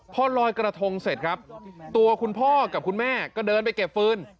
พอลอยกระทงเสร็จครับตัวคุณพ่อกับคุณแม่ก็เดินไปเก็บฟืน